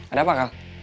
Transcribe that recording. ada apa kal